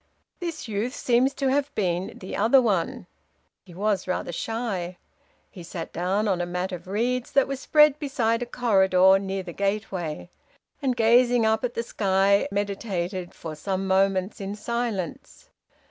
"This youth seems to have been 'the other one'; he was rather shy. He sat down on a mat of reeds that was spread beside a corridor near the gateway; and, gazing up at the sky, meditated for some moments in silence.